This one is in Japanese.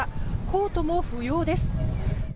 コートも不要です。